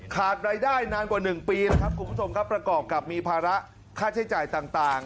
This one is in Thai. ขาดรายได้นานกว่า๑ปีแล้วครับคุณผู้ชมครับประกอบกับมีภาระค่าใช้จ่ายต่าง